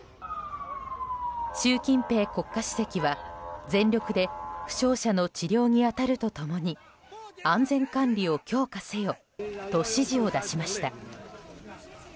習近平国家主席は全力で負傷者の治療に当たると共に安全管理を強化せよと指示を出しました。